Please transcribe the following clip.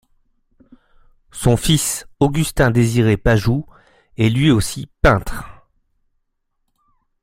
Son fils Augustin-Désiré Pajou est lui aussi peintre.